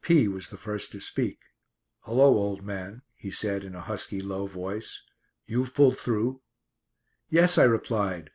P was the first to speak. "Hullo, old man," he said in a husky, low voice. "You've pulled through?" "Yes," I replied.